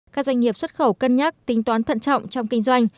các doanh nghiệp xuất khẩu cân nhắc tính toán thận trọng trong kinh doanh